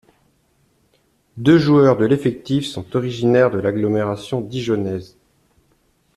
Deux joueurs de l'effectif sont originaires de l'agglomération dijonnaise.